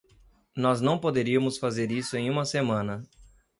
Nós não poderíamos fazer isso em uma semana!